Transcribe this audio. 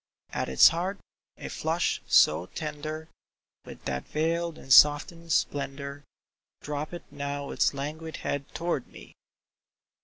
" At its heart a flush so tender, With what veiled and softened splendor Droopeth now its languid head toward me